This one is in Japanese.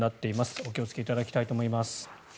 お気をつけいただきたいと思います。